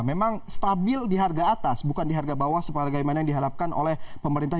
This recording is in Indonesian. memang stabil di harga atas bukan di harga bawah sebagaimana yang diharapkan oleh pemerintah